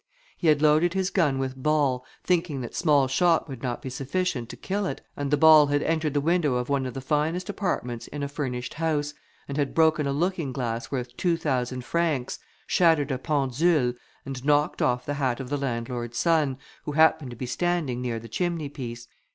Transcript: He had loaded his gun with ball, thinking that small shot would not be sufficient to kill it, and the ball had entered the window of one of the finest apartments in a furnished house, and had broken a looking glass worth two thousand francs, shattered a pendule, and knocked off the hat of the landlord's son, who happened to be standing near the chimney piece.